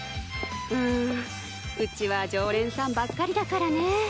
うんうちは常連さんばっかりだからね。